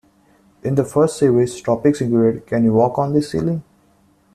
In the first series, topics included: 'Can you walk on the ceiling?